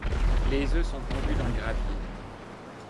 Les œufs sont pondus dans le gravier.